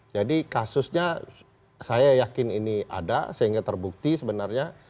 jadi kasusnya saya yakin ini ada sehingga terbukti sebenarnya